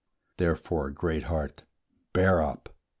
Therefore, great heart, bear up!